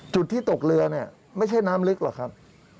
จุดที่ตกเรือเนี่ยไม่ใช่น้ำลึกหรอกครับ